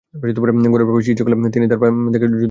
ঘরে প্রবেশের ইচ্ছে করলে তিনি তাঁর পা থেকে জুতা খুলে দিতেন।